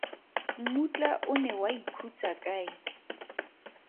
Mmutla o ne wa ikhutsa kae?